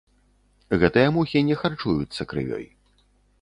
Гэтыя мухі не харчуюцца крывёй.